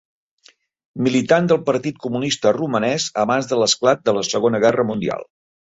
Militant del Partit Comunista Romanès abans de l'esclat de la Segona Guerra Mundial.